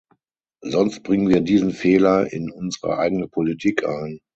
Sonst bringen wir diesen Fehler in unsere eigene Politik ein.